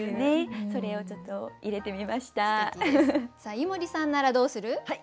井森さんならどうする？